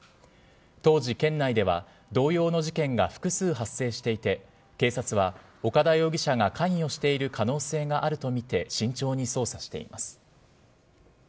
当時、県内では同様の事件が複数発生していて、警察は岡田容疑者が関与している可能性があると見て、慎重に捜査しています。